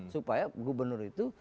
supaya gubernur itu